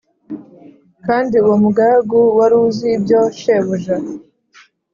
Kandi uwo mugaragu wari uzi ibyo shebuja